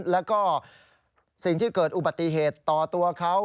แล้วก็สิ่งที่เกิดอุบัติเหตุต่อตัวเขา